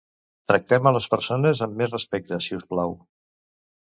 Tractem a les persones amb més respecte, siusplau.